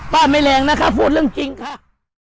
ไม่แรงนะคะพูดเรื่องจริงค่ะ